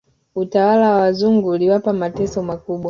Utawala wa wazungu uliwapa mateso makubwa